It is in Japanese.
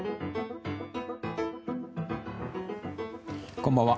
こんばんは。